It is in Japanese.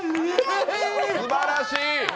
すばらしい！